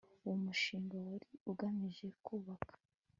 Uwo mushinga wari ugamije kubaka